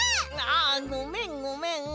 あごめんごめん！